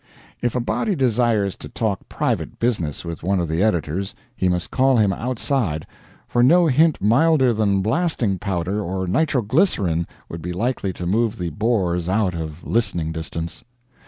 If a body desires to talk private business with one of the editors, he must call him outside, for no hint milder than blasting powder or nitroglycerin would be likely to move the bores out of listening distance.